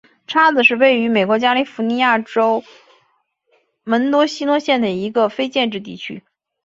叉子是位于美国加利福尼亚州门多西诺县的一个非建制地区。